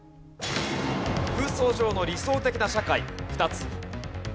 空想上の理想的な社会２つ。